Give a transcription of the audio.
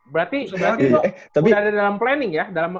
berarti lo udah ada dalam planning ya